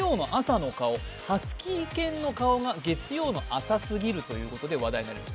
ハスキー犬の顔が月曜の朝すぎるということで話題になりました。